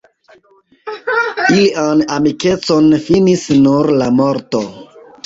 Ilian amikecon finis nur la morto.